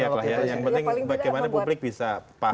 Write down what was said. jangan riak lah ya yang penting bagaimana publik bisa tahu